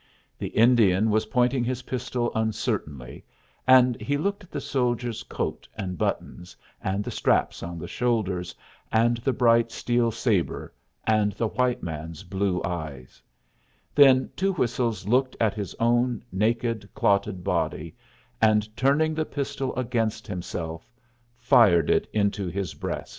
The Indian was pointing his pistol uncertainly, and he looked at the soldier's coat and buttons, and the straps on the shoulders, and the bright steel sabre, and the white man's blue eyes; then Two Whistles looked at his own naked, clotted body, and, turning the pistol against himself, fired it into his breast.